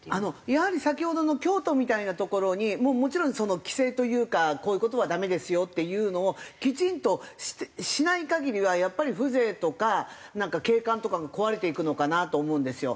やはり先ほどの京都みたいな所にもちろん規制というかこういう事はダメですよっていうのをきちんとしない限りはやっぱり風情とか景観とかが壊れていくのかなと思うんですよ。